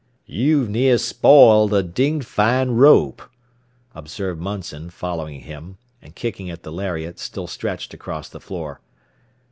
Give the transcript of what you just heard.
"You've near spoiled a dinged fine rope," observed Munson, following him, and kicking at the lariat, still stretched across the floor.